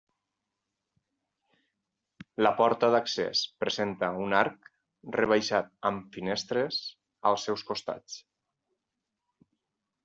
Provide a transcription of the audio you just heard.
La porta d'accés presenta un arc rebaixat amb finestres als seus costats.